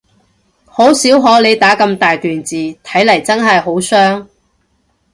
好少可你打咁大段字，睇嚟真係好傷